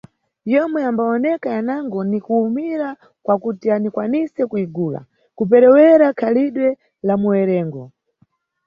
Yomwe yambawoneka yanango ni kuwumira kwa kuti uniyikwanise kuyigula, kuperewera khalidwe la muwerengo.